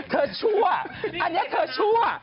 ชั่วอันนี้เธอชั่ว